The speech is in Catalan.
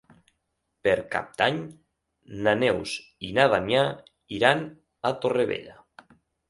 Per Cap d'Any na Neus i na Damià iran a Torrevella.